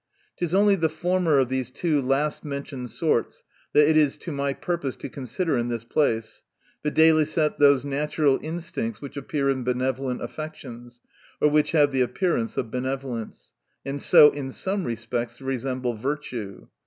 It is only the former of these two last mentioned sorts, that it is to my pur pose to consider in this place, viz., those natural instincts which appear in benevolent affections, or which have the appearance of benevolence, and so in some respects resemble virtue.